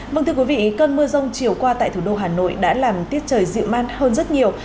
vâng thưa quý vị cơn mưa rông chiều qua tại thủ đô hà nội đã làm tiết trời dịu mát hơn rất nhiều